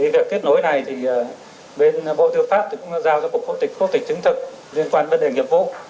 về kết nối này thì bên bộ tư pháp cũng giao ra cuộc hộ tịch hộ tịch chứng thực liên quan vấn đề nghiệp vụ